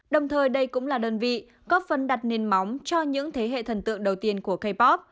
đồng thời đây cũng là đơn vị có phân đặt nền móng cho những thế hệ thần tượng đầu tiên của kpop